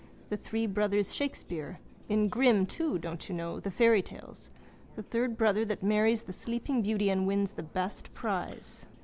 The three brothers Shakespeare. In Grimm too, don't you know, the fairytales. The third brother that always marries the sleeping beauty and wins the best prize.